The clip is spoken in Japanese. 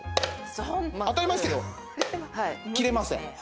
当たり前ですけど切れません。